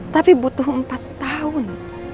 tapi butuh empat tahun